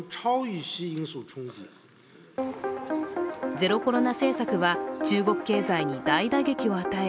ゼロコロナ政策は中国経済に大打撃を与え